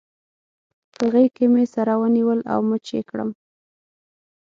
په غېږ کې مې سره ونیول او مچ يې کړم.